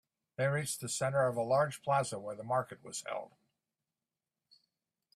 They reached the center of a large plaza where the market was held.